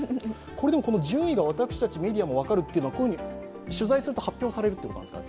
この順位が私たちメディアにも分かるということは取材すると発表されるということなんですか？